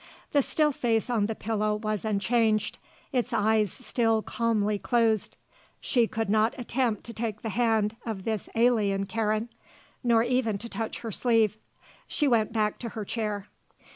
The still face on the pillow was unchanged, its eyes still calmly closed. She could not attempt to take the hand of this alien Karen, nor even to touch her sleeve. She went back to her chair.